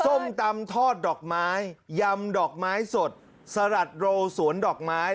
ส้มตำทอดดอกไม้ยำดอกไม้สดสลัดโรสวนดอกไม้